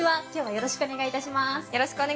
よろしくお願いします。